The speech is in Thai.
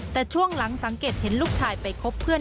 แต่ช่วงหลังสังเกตเห็นลูกชายไปคบเพื่อน